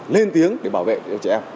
lên tiếng để bảo vệ trẻ em